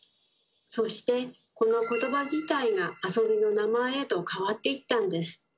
そしてこのことば自体が遊びの名前へと変わっていったんです。